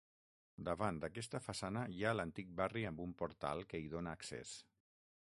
Davant d'aquesta façana hi ha l'antic barri amb un portal que hi dóna accés.